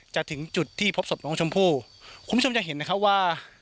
ถึงจุดที่พบศพน้องชมพู่คุณผู้ชมจะเห็นนะคะว่า